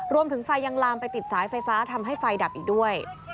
ไฟยังลามไปติดสายไฟฟ้าทำให้ไฟดับอีกด้วย